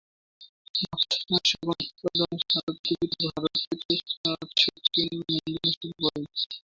মৎস্য চাষ এবং উৎপাদনে সারা পৃথিবীতে ভারত তৃতীয় স্থানে আছে, চীন এবং ইন্দোনেশিয়ার পরেই।